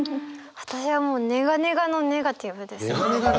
私はもうネガネガのネガティブです。